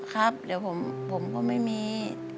ครับเดี๋ยวผมก็ไม่มี